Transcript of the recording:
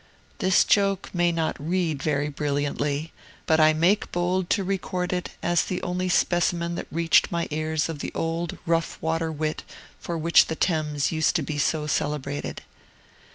The joke may not read very brilliantly; but I make bold to record it as the only specimen that reached my ears of the old, rough water wit for which the Thames used to be so celebrated.